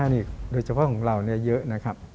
นี่โดยเฉพาะของเราเยอะนะครับ